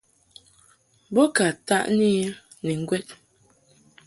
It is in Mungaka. Bo ka taʼni I ni ŋgwɛd.